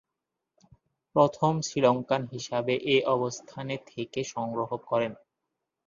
প্রথম শ্রীলঙ্কান হিসেবে এ অবস্থানে থেকে সংগ্রহ করেন।